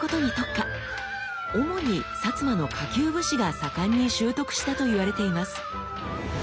主に摩の下級武士が盛んに習得したといわれています。